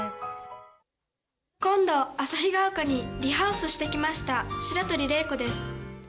今度、朝日ヶ丘にリハウスしてきました白鳥麗子です。